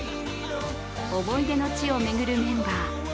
思い出の地を巡るメンバー。